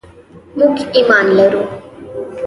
موږ ایمان لرو.